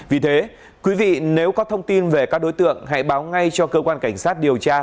vì thế quý vị nếu có thông tin về các đối tượng hãy báo ngay cho cơ quan cảnh sát điều tra